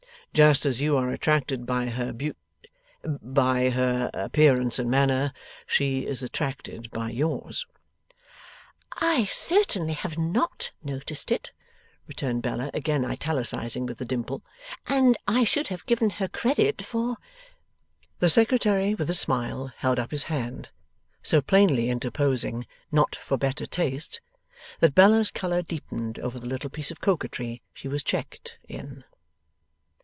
Just as you are attracted by her beaut by her appearance and manner, she is attracted by yours.' 'I certainly have NOT noticed it,' returned Bella, again italicizing with the dimple, 'and I should have given her credit for ' The Secretary with a smile held up his hand, so plainly interposing 'not for better taste', that Bella's colour deepened over the little piece of coquetry she was checked in.